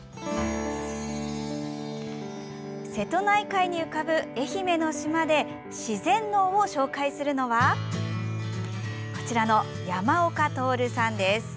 瀬戸内海に浮かぶ愛媛の島で自然農を紹介するのはこちらの、山岡亨さんです。